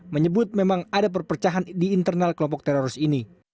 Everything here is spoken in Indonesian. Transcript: menyebut memang ada perpecahan di internal kelompok teroris ini